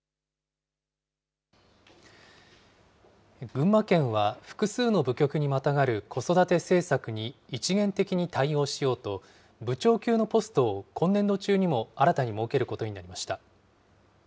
群馬県は、複数の部局にまたがる子育て政策に一元的に対応しようと、部長級のポストを今年度中にも新たに設けることになりました。